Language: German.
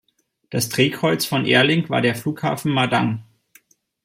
Das Drehkreuz von Airlink war der Flughafen Madang.